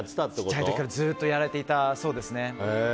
小さいころからずっとやられていたそうですね。